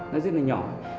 nó rất là nhỏ